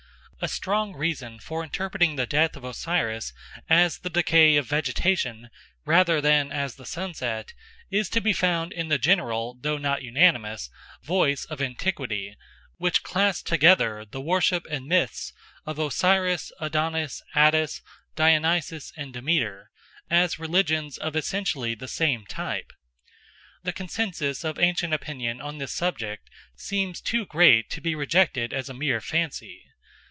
A strong reason for interpreting the death of Osiris as the decay of vegetation rather than as the sunset is to be found in the general, though not unanimous, voice of antiquity, which classed together the worship and myths of Osiris, Adonis, Attis, Dionysus, and Demeter, as religions of essentially the same type. The consensus of ancient opinion on this subject seems too great to be rejected as a mere fancy.